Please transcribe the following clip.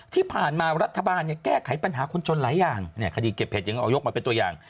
ที่ผ่านมารัฐบาลเนี่ยแก้ไขปัญหาคนจนหลายอย่างเนี่ยคดีเก็บเห็ดยังเอายกมาเป็นตัวอย่าง